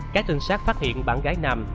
các trinh sát phát hiện bạn gái nam